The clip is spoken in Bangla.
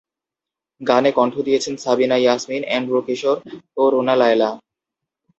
গানে কণ্ঠ দিয়েছেন সাবিনা ইয়াসমিন, এন্ড্রু কিশোর ও রুনা লায়লা।